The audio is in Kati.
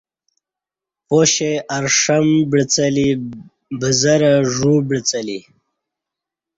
پاشی ارݜم بعڅہ لی بزہ رہ ژ و بعڅلی